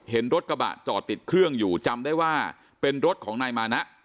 เห็นรถกระบะจอดติดเครื่องอยู่จำได้ว่าเป็นรถของนายมานะ